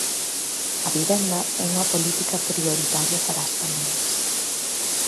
A vivenda é unha política prioritaria para as familias.